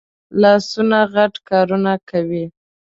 لاسونه غټ کارونه کوي